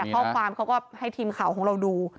ข้อความเขาก็ให้ทีมข่าวของเราดู